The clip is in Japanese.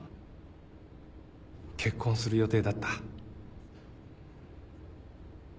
結婚する予定だった。